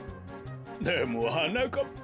でもはなかっぱ。